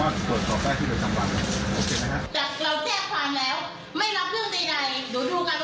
ว่าเขาพิมพ์มาหน้าตอนนี้เป็นยังไง